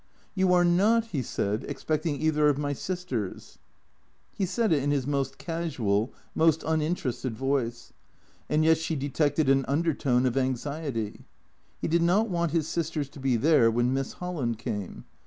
" You are not," he said, " expecting either of my sisters ?" He said it in his most casual, most uninterested voice. And yet she detected an undertone of anxiety. He did not want his sisters to be there when Miss Holland came.